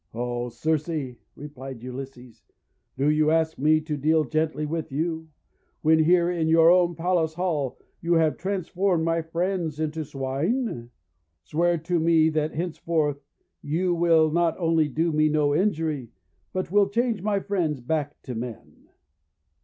:'O Circe," replied Ulysses, "do you ask me to deal gently with you, when here in your own palace hall you have transformed my friends into Swine? Swear to me that henceforth you will not only do me no injury, but will change my friends back to men."